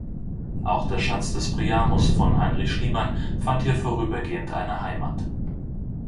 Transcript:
Auch der Schatz des Priamos von Heinrich Schliemann fand hier vorübergehend eine Heimat.